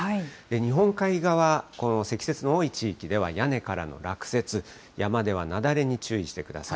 日本海側、この積雪の多い地域では屋根からの落雪、山では雪崩に注意してください。